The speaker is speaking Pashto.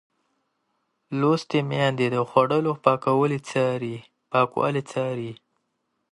لوستې میندې د خوړو پاکوالی څاري.